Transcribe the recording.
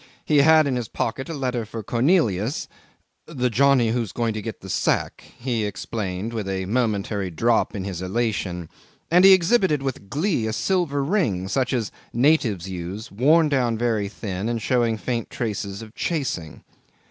He had in his pocket a letter for Cornelius ("the Johnnie who's going to get the sack," he explained, with a momentary drop in his elation), and he exhibited with glee a silver ring, such as natives use, worn down very thin and showing faint traces of chasing.